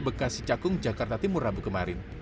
bekas si cakung jakarta timur rabu kemarin